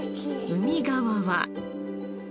海側は